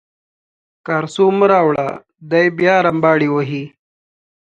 کارسو مه راوړه دی بیا رمباړې وهي.